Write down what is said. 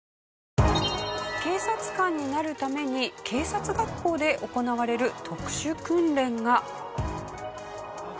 警察官になるために警察学校で行われる特殊訓練が。